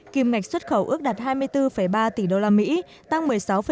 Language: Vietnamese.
kim ngạch xuất khẩu ước đạt hai mươi bốn ba tỷ đô la mỹ tăng một mươi sáu bốn